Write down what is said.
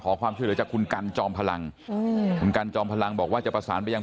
ขอความช่วยเหลือจากคุณกันจอมพลังคุณกันจอมพลังบอกว่าจะประสานไปยัง